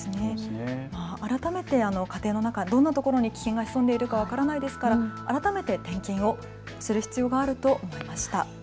改めて家庭の中、どんなところに危険が潜んでいるか分からないですから改めて点検をする必要があると思いました。